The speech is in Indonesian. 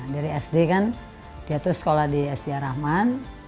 dari sd kan dia tuh sekolah di sd rahman